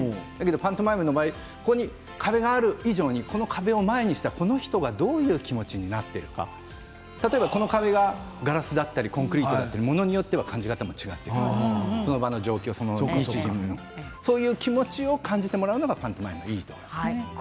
でもパントマイムの場合ここに壁がある以上に壁を前にしたこの人がどういう気持ちになっているか例えばこの壁がガラスだったりコンクリートだったり物によっても感じ方が違うしその場の状況でも違うしそういう気持ちを感じてもらうのがパントマイムはいいと思うんですが。